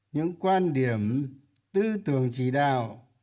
những quan điểm tư tưởng chỉ đạo